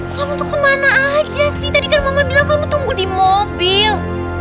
kamu untuk kemana aja sih tadi kan mama bilang kamu tunggu di mobil